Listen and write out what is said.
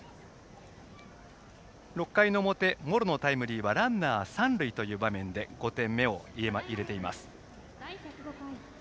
６回の表、茂呂のタイムリーはランナー三塁という場面で５点目を入れています。